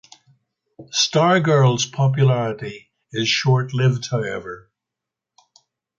Stargirl's popularity is short-lived, however.